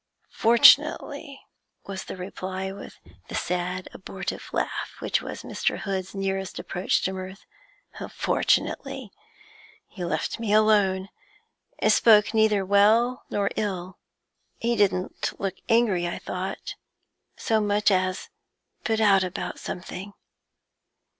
'Fortunately,' was the reply, with the sad abortive laugh which was Mr. Hood's nearest approach to mirth, 'fortunately he left me alone, and spoke neither well nor ill. He didn't look angry, I thought, so much as put out about something.'